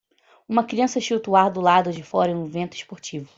Uma criança chuta o ar do lado de fora em um evento esportivo.